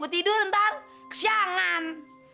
gua tidur ntar kesiangan